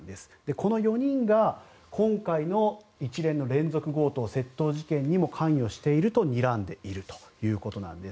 この４人が今回の一連の連続強盗・窃盗事件にも関与しているとにらんでいるということです。